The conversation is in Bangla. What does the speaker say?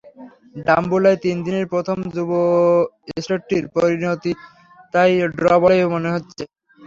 ডাম্বুলায় তিন দিনের প্রথম যুব টেস্টটির পরিণতি তাই ড্র বলেই মনে হচ্ছে।